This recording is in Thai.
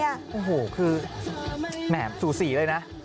โอ้โหคือแหม่สูสีเลยนะ